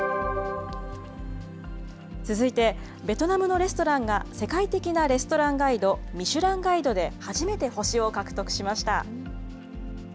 続いて、ベトナムのレストランが世界的なレストランガイド、ミシュランガイドで初めて星を獲得しました。